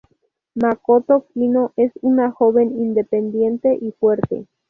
Makoto Kino es una joven independiente y fuerte.